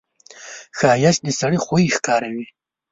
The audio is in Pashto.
ښایست د سړي خوی ښکاروي